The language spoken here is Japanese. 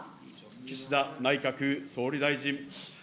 岸田内閣総理大臣。